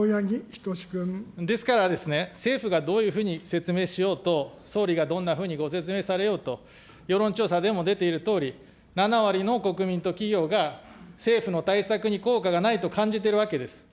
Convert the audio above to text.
ですからですね、政府がどういうふうに説明しようと、総理がどんなふうにご説明されようと、世論調査でも出ているとおり、７割の国民と企業が、政府の対策に効果がないと感じているわけです。